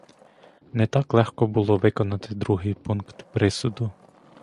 Не так легко було виконати другий пункт присуду.